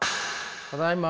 ただいま。